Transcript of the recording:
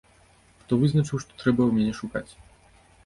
Хто вызначыў, што трэба ў мяне шукаць?